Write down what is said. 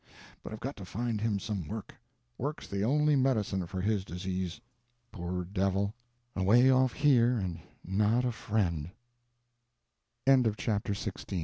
But I've got to find him some work; work's the only medicine for his disease. Poor devil! away off here, and not a friend." CHAPTER XVII.